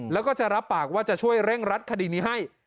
แล้วก็จะรับปากว่าจะช่วยเร่งรัดคดีนี้ให้